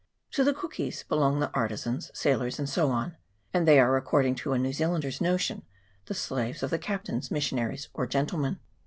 To the cookies belong the artisans, sailors, and so on ; and they are, according to a New Zealander's notion, the slaves of the captains, missionaries, or gentlemen.